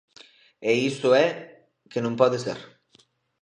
E iso é o que non pode ser.